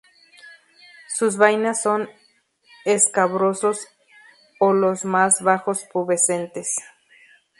Sus vainas son escabrosos o los más bajos pubescentes.